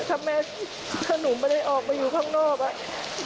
ทำไมถ้าหนูไม่ได้ออกมาอยู่ข้างนอกอะ